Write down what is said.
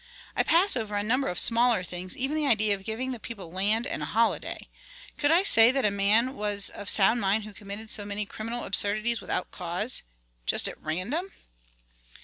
I pass over a number of smaller things, even the idea of giving the people land and a holiday; could I say that a man was of sound mind who committed so many criminal absurdities without cause, just at random?"